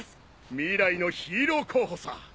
未来のヒーロー候補さ。